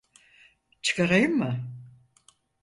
Çıkarayım mı?